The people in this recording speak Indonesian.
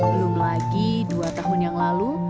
belum lagi dua tahun yang lalu